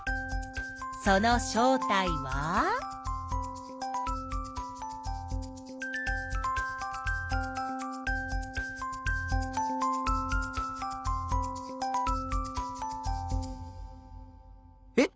その正体は？え？